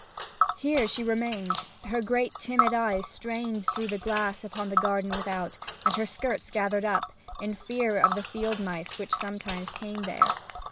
Here she remained, her great timid eyes strained through the glass upon the garden without, and her skirts gathered up, in fear of the field mice which sometimes came there.